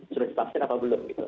sudah divaksin apa belum gitu